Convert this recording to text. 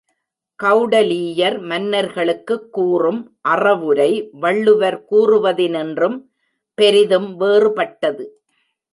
கெளடலீயர் மன்னர்களுக்குக் கூறும் அறவுரை வள்ளுவர் கூறுவதினின்றும் பெரிதும் வேறுபட்டது.